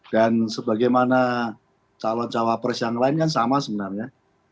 dan sebagaimana calon calon pers yang lain kan sama sebenarnya